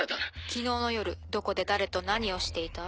昨日の夜どこで誰と何をしていた？